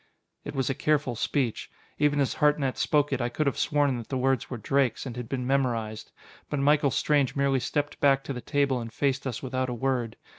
It was a careful speech. Even as Hartnett spoke it, I could have sworn that the words were Drake's, and had been memorized. But Michael Strange merely stepped back to the table and faced us without a word.